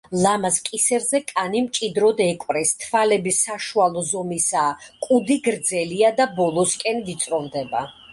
ლამაზ კისერზე კანი მჭიდროდ ეკვრის, თვალები საშუალო ზომისაა, კუდი გრძელია და ბოლოსკენ ვიწროვდება.